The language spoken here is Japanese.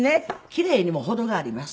奇麗にも程があります。